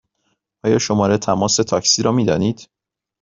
آیا شماره تماس تاکسی را می دانید؟